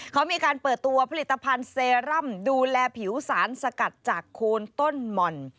เขามีการเปิดตัวผลิตภัณฑ์เซรั่มดูแลผิวสารสกัดจากโคนต้นหม่อน